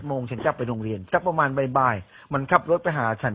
โมงฉันกลับไปโรงเรียนสักประมาณบ่ายมันขับรถไปหาฉัน